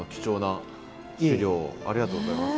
ありがとうございます。